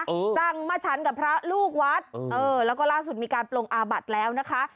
สั่งมาฉันกับพระลูกวัดเออแล้วก็ล่าสุดมีการปลงอาบัติแล้วนะคะ